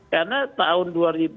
karena tahun dua ribu dua puluh satu